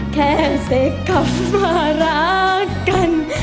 แค่เสกกับมารักกัน